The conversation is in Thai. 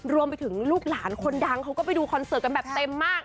รวมไปถึงลูกหลานคนดังเขาก็ไปดูคอนเสิร์ตกันแบบเต็มมาก